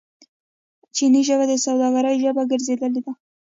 چیني ژبه د سوداګرۍ ژبه ګرځیدلې ده.